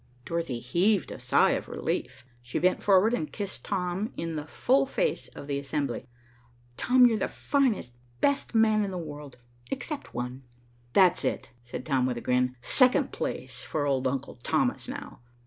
Dorothy heaved a sigh of relief. She bent forward and kissed Tom in the full face of the assembly. "Tom, you're the finest, best man in the world, except one." "That's it," said Tom with a grin. "Second place for old uncle Thomas now."